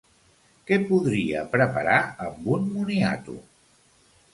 Què podria preparar amb un moniato?